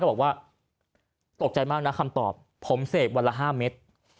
บอกว่าตกใจมากนะคำตอบผมเสพวันละ๕เม็ด